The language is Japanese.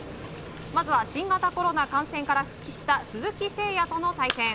まずは新型コロナ感染から復帰した鈴木誠也との対戦。